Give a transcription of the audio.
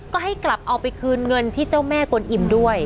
ก็ให้กลับเอาไปคืนเงินที่เจ้าแม่กวนอิ่มด้วย